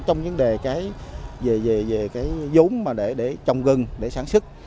trong vấn đề về cái giống để trồng rừng để sản xuất